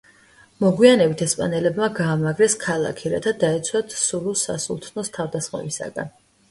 მოგვიანებით ესპანელებმა გაამაგრეს ქალაქი, რათა დაეცვათ სულუს სასულთნოს თავდასხმებისაგან.